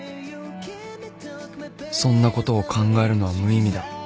そんなことを考えるのは無意味だ